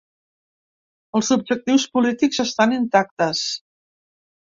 Els objectius polítics estan intactes.